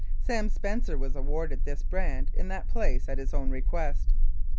Sam Spencer was awarded this brand in that place at his own request.